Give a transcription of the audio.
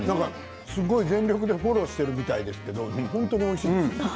全力でフォローしているみたいですけれども本当においしいです。